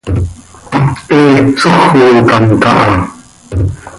He sójocam caha.